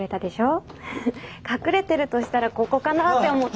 隠れてるとしたらここかなって思って。